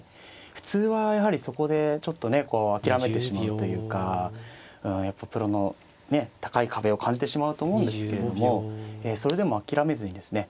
普通はやはりそこでちょっとね諦めてしまうというかやっぱプロのね高い壁を感じてしまうと思うんですけれどもそれでも諦めずにですね